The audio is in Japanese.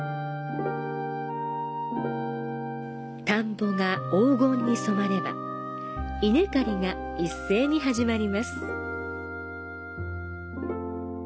田んぼが黄金に染まれば、稲刈りが一斉に始まります。